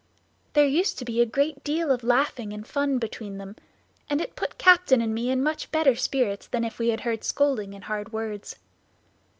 There used to be a great deal of laughing and fun between them, and it put Captain and me in much better spirits than if we had heard scolding and hard words.